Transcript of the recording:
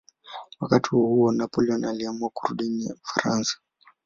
Wakati huohuo Napoleon aliamua kurudi Ufaransa.